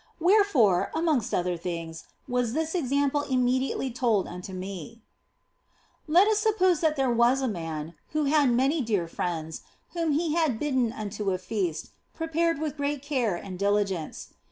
Wherefore, amongst other things, was this example immediately told unto me :" Let us suppose that there was a man who had many dear friends whom he had bidden unto a feast prepared with great care and diligence.